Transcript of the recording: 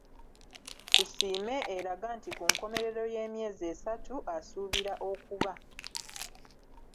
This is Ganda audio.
Tusiime eraga nti ku nkomerero y’emyezi esatu asuubira okuba.